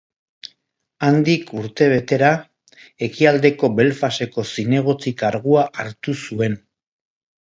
Handik urtebetera, Ekialdeko Belfasteko zinegotzi kargua hartu zuen.